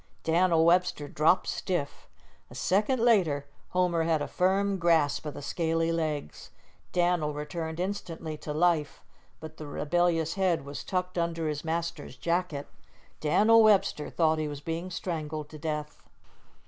Dan'l Webster dropped stiff. A second later Homer had a firm grasp of the scaly legs. Dan'l returned instantly to life, but the rebellious head was tucked under his master's jacket. Dan'l Webster thought he was being strangled to death.